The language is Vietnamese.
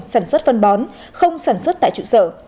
sản xuất phân bón không sản xuất tại trụ sở